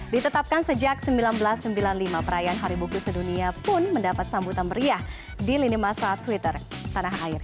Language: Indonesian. ditetapkan sejak seribu sembilan ratus sembilan puluh lima perayaan hari buku sedunia pun mendapat sambutan meriah di lini masa twitter tanah air